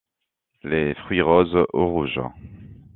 Les fruits roses ou rouges.